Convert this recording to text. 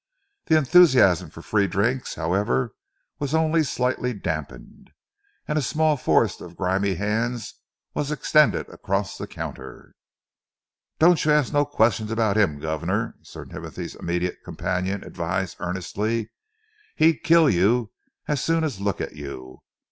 The enthusiasm for the free drinks, however, was only slightly damped, and a small forest of grimy hands was extended across the counter. "Don't you ask no questions about 'im, guvnor," Sir Timothy's immediate companion advised earnestly. "He'd kill you as soon as look at you.